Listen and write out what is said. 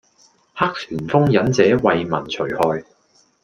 黑旋風忍者為民除害